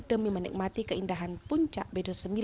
demi menikmati keindahan puncak b dua puluh sembilan